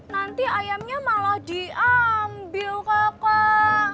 nanti ayamnya malah diambil kokang